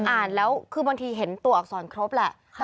อ่านแล้วคือบางทีเห็นตัวอักษรครบแหละ